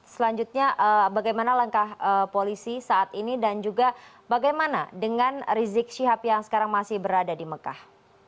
selanjutnya bagaimana langkah polisi saat ini dan juga bagaimana dengan rizik syihab yang sekarang masih berada di mekah